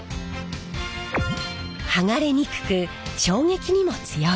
剥がれにくく衝撃にも強い。